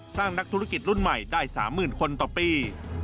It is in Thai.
สร้างนักธุรกิจรุ่นใหม่ได้๓๐คนต่อปี